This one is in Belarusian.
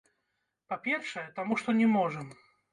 Па-першае, таму што не можам.